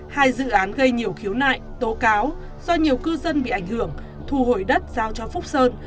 hai dự án gây nhiều khiếu nại tố cáo do nhiều cư dân bị ảnh hưởng thu hồi đất giao cho phúc sơn